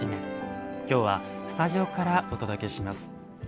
今日はスタジオからお届けします。